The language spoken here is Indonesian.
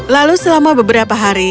lalu selama beberapa hari